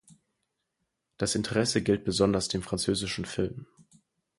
Das Interesse gilt besonders dem französischen Film.